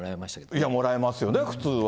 いや、もらいますよね、普通は。